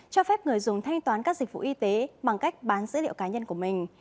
cho phép người dùng thanh toán các dịch vụ y tế bằng cách bán dữ liệu cá nhân của mình